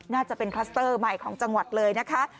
น่าจะเป็นคลัสเตอร์ใหม่ของจังหวัดเลยนะคะ